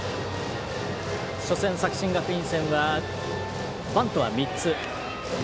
初戦、作新学院戦はバントは３つ。